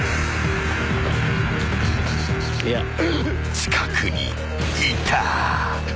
［近くにいた］